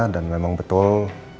dan memang betul